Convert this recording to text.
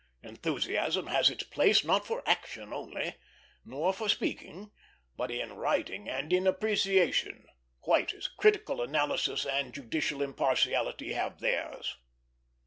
Enthusiasm has its place, not for action only, nor for speaking, but in writing and in appreciation; quite as critical analysis and judicial impartiality have theirs.